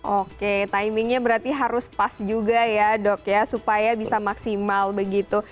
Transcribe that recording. oke timingnya berarti harus pas juga ya dok ya supaya bisa maksimal begitu